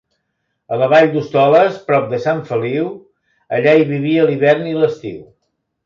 A la vall d'Hostoles, prop de Sant Feliu, allà hi vivia l'hivern i l'estiu.